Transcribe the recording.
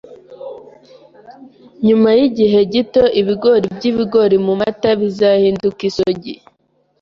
Nyuma yigihe gito, ibigori byibigori mumata bizahinduka isogi.